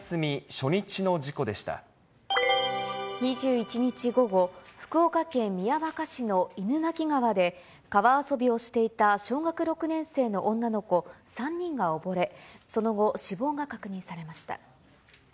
２１日午後、福岡県宮若市の犬鳴川で、川遊びをしていた小学６年生の女の子３人が溺れ、その後、死亡が確認されました。